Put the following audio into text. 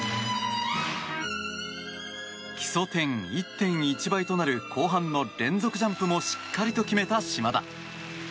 基礎点１．１倍となる後半の連続ジャンプもしっかりと決めた島田。